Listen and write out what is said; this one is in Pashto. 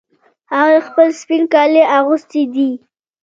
هغې خپل سپین کالي اغوستې دي